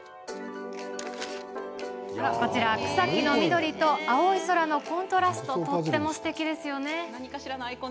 草木の緑と青い空のコントラストがとってもすてきです。